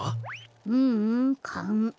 ううん。かん。